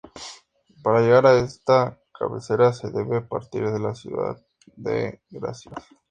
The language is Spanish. Para llegar a esta cabecera, se debe partir de la ciudad de Gracias.